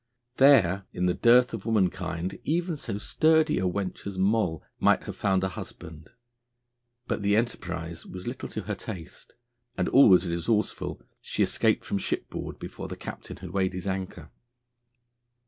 There, in the dearth of womankind, even so sturdy a wench as Moll might have found a husband; but the enterprise was little to her taste, and, always resourceful, she escaped from shipboard before the captain had weighed his anchor.